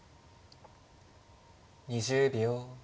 ２０秒。